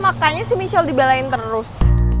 makanya michelle dibelain terus